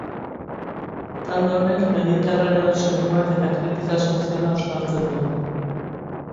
Talde honek mediterranear soinuak eta kritika soziala uztartzen du.